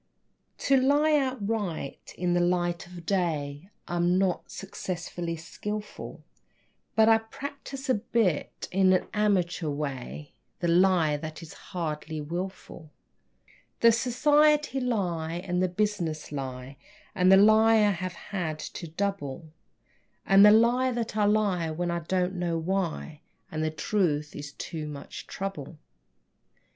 To lie outright in the light of day I'm not sufficiently skilful, But I practice a bit, in an amateur way, The lie which is hardly wilful; The society lie and the business lie And the lie I have had to double, And the lie that I lie when I don't know why And the truth is too much trouble.